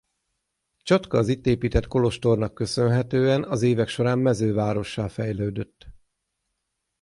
Csatka az itt épített kolostornak köszönhetően az évek során mezővárossá fejlődött.